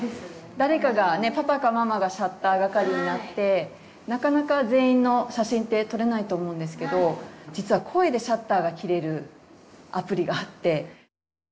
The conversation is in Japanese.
誰かがねパパかママがシャッター係になってなかなか全員の写真って撮れないと思うんですけど実は声でシャッターがきれるアプリがあって。